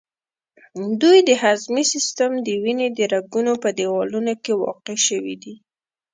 دوی د هضمي سیستم، د وینې د رګونو په دیوالونو کې واقع شوي دي.